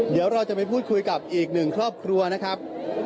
เดี๋ยวเราจะไปพูดคุยกับอีกหนึ่งครอบครัวนะครับ